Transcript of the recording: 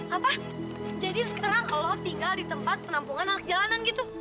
apa jadi sekarang kalau tinggal di tempat penampungan anak jalanan gitu